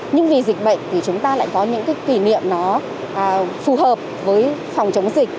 nhưng vì dịch bệnh thì chúng ta lại có những cái kỷ niệm nó phù hợp với phòng chống dịch